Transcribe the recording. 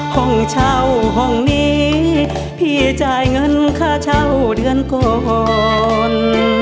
ห้องเช่าห้องนี้พี่จ่ายเงินค่าเช่าเดือนก่อน